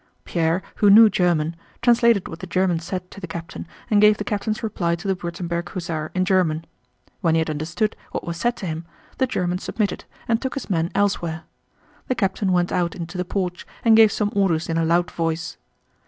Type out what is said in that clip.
Pierre, who knew German, translated what the German said to the captain and gave the captain's reply to the Württemberg hussar in German. When he had understood what was said to him, the German submitted and took his men elsewhere. The captain went out into the porch and gave some orders in a loud voice.